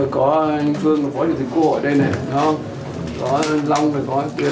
có anh phương phó chủ tịch quốc ở đây này có long có tiến này các anh em ở đây nữa thì phải tuyên truyền